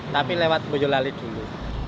tapi lewat boyolali dulu